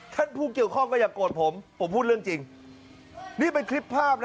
ผู้เกี่ยวข้องก็อย่าโกรธผมผมพูดเรื่องจริงนี่เป็นคลิปภาพนะ